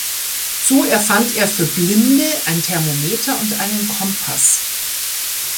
So erfand er für Blinde ein Thermometer und einen Kompass.